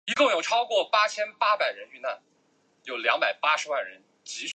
阿奇森府。